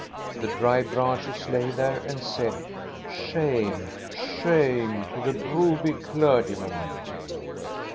The dry branches lay there and said: "Shame, shame to the Broby clergyman